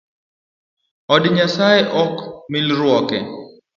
Od nyasaye ok milruoke